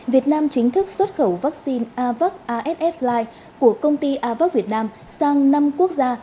việt nam chính thức xuất khẩu vaccine avac asf li của công ty avac việt nam sang năm quốc gia